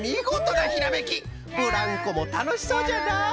ブランコもたのしそうじゃな！